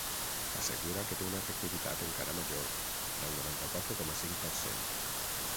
Assegura que té una efectivitat encara major, del noranta-quatre coma cinc per cent.